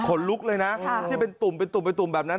ขนลุกเลยน่ะที่ตุ่มไปตุ่มไปตุ่มแบบนั้น